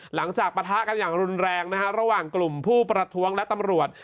ปะทะกันอย่างรุนแรงนะฮะระหว่างกลุ่มผู้ประท้วงและตำรวจ